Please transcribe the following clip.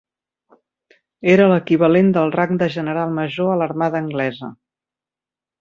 Era l"equivalent del rang de general major a l"armada anglesa.